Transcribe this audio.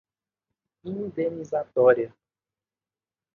indenizatória